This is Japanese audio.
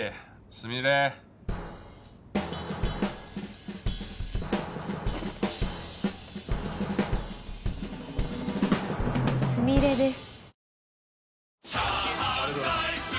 すみれです。